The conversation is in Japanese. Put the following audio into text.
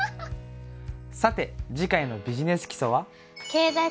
さて次回の「ビジネス基礎」は？